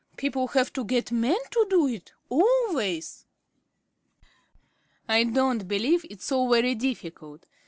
People have to get men to do it, always." "I don't believe it's so very difficult.